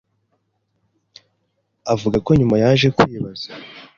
Avuga ko nyuma yaje kwibaza